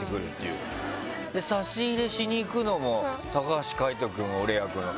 差し入れしに行くのも橋海人君俺役の。